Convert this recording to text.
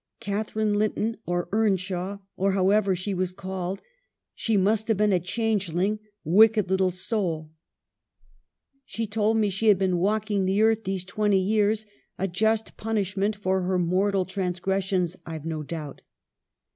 ...' Catharine Linton or Earnshaw, or however she was called — she must have been a changeling, wicked little soul ! She told me 2 SO EMILY BRONTE. she had been walking the earth these twenty years ; a just punishment for her mortal trans gressions, I've no doubt.'